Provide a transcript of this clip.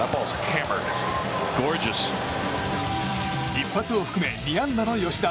一発を含め２安打の吉田。